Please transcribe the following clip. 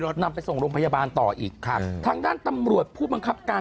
นำไปส่งโรงพยาบาลต่ออีกครับทางด้านตำรวจผู้บังคับการ